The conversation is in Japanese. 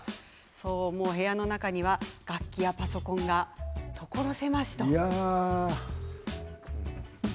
部屋の中には楽器やパソコンが所狭しと。